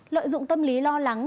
lợi dụng tâm lý lo lắng